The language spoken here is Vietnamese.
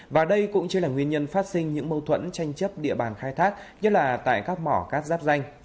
và đây cũng chính là nguyên nhân phát sinh những mâu thuẫn tranh chấp địa bàn khai thác nhất là tại các mỏ cát giáp danh